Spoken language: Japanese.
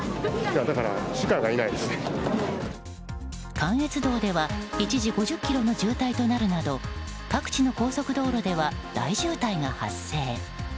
関越道では一時５０ｋｍの渋滞となるなど各地の高速道路では大渋滞が発生。